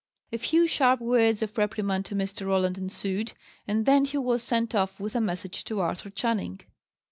A few sharp words of reprimand to Mr. Roland ensued, and then he was sent off with a message to Arthur Channing.